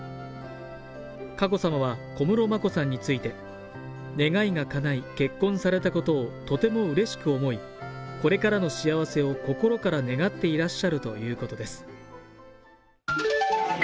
佳子さまは小室眞子さんについて願いがかない、結婚されたことをとてもうれしく思いこれからの幸せを心から願っていらっしゃるということです。